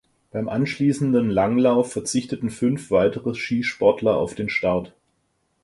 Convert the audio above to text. Beim anschließenden Langlauf verzichteten fünf weitere Skisportler auf den Start.